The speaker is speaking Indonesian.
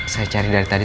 saya cari dari tadi